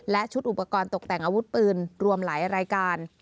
และชุดอุปกรณ์ตกแต่งอาวุธปืนรวมหลายรายการ